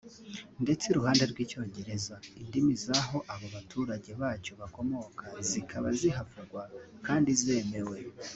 ndetse iruhande rw’icyongereza indimi zaho abo baturage bacyo bakomoka zikaba zihavugwa kandi zemewe